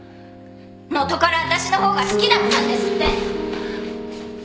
元から私の方が好きだったんですって！